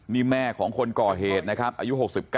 นี่แม่ของคนก่อเหตุนะครับอายุ๖๙